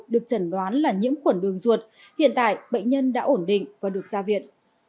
được chẩn đoán là nhiễm khuẩn đường ruột hiện tại bệnh nhân đã ổn định và được ra viện